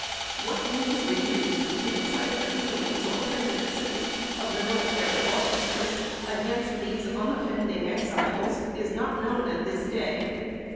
What means were used to excite the feelings or prejudices of the military officers against these unoffending Exiles, is not known at this day.